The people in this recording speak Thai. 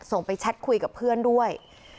ส่งไปแชทคุยกับเพื่อนด้วย